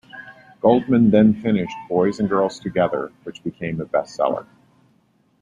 Goldman then finished "Boys and Girls Together" which became a best seller.